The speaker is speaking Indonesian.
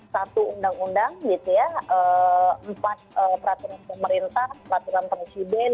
satu undang undang empat peraturan pemerintah peraturan presiden